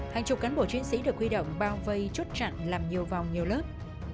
hàng chục cán bộ chiến sĩ được huy động bao vây chốt chặn làm nhiều vòng nhiều lớp